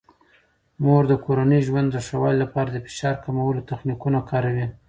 مور د کورني ژوند د ښه والي لپاره د فشار کمولو تخنیکونه کاروي.